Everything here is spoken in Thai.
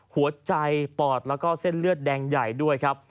หัวใจปอดแล้วก็เส้นเลือดแดงใหญ่ด้วยครับ